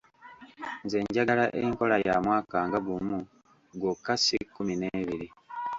Nze njagala enkola ya mwaka nga gumu gwokka si kkumi n’ebiri.